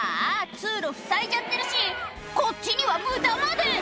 通路ふさいじゃってるしこっちにはブタまで！